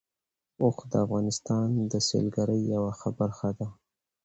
اوښ د افغانستان د سیلګرۍ یوه ښه برخه ده.